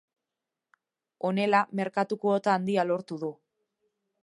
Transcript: Honela, merkatu kuota handia lortu du.